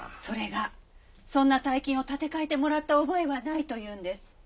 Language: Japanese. それがそんな大金を立て替えてもらった覚えはないと言うんです。